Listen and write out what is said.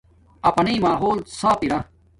اپانݵ ماحول صاف ارا